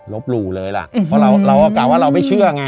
หลู่เลยล่ะเพราะเรากะว่าเราไม่เชื่อไง